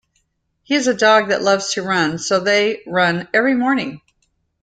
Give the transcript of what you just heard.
He is a dog that loves to run, so they run every morning.